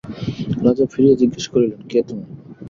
রাজা ফিরিয়া জিজ্ঞাসা করিলেন, কে তুমি?